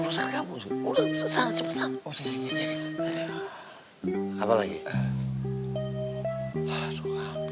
banget sih kamu